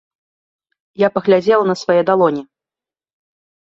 Я паглядзела на свае далоні.